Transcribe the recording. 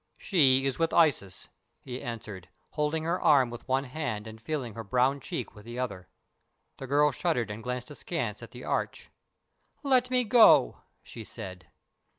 "She is with Isis," he answered, holding her arm with one hand and feeling her brown cheek with the other. The girl shuddered and glanced askance at the arch. "Let me go," she said.